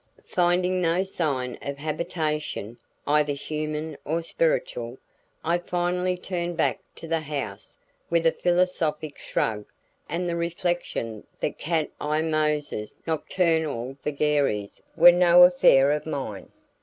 Finding no sign of habitation, either human or spiritual, I finally turned back to the house with a philosophic shrug and the reflection that Cat Eye Mose's nocturnal vagaries were no affair of mine.